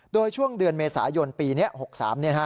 โดยช่วงเดือนเมษายนปีนี้๖๓นะครับ